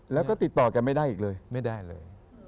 แล้วก็ติดต่อแกไม่ได้อีกเลยไม่ได้เลย